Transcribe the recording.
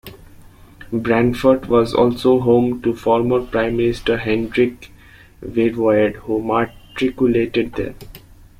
Brandfort was also home to former prime-minister Hendrik Verwoerd, who matriculated there.